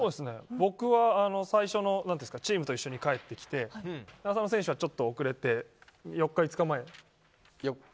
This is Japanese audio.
僕は最初のチームと一緒に帰ってきて浅野選手は、ちょっと遅れて３日ぐらい前。